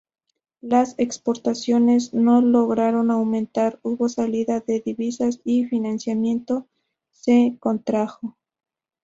Las exportaciones no lograron aumentar, hubo salida de divisas y el financiamiento se contrajo.